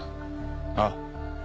ああ。